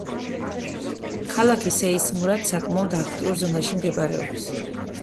ქალაქი სეისმურად საკმაოდ აქტიურ ზონაში მდებარეობს.